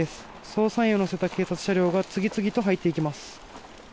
捜査員を乗せた警察車両が次々と入っていきます。